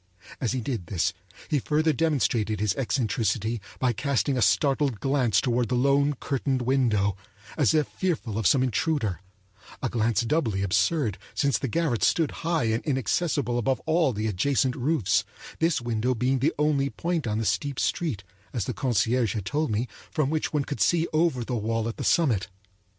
As he did this he further demonstrated his eccentricity by casting a startled glance toward the lone curtained window, as if fearful of some intruder—a glance doubly absurd, since the garret stood high and inaccessible above all the adjacent roofs, this window being the only point on the steep street, as the concierge had told me, from which one could see over the wall at the summit.